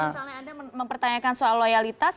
misalnya anda mempertanyakan soal loyalitas